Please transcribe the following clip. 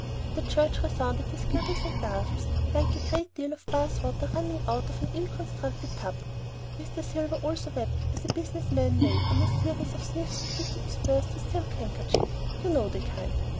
The church resounded with guggles and gasps, like a great deal of bath water running out of an ill constructed tub. Mr. Silver also wept, as a business man may, in a series of sniffs interspersed with silk handkerchief; you know the kind.